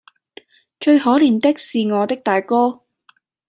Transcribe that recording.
最可憐的是我的大哥，